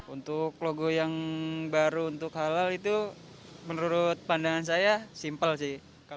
untuk logo yang baru untuk halal itu menurut pandangan saya simpel sih